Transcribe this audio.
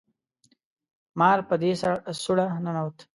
مار په دې سوړه ننوت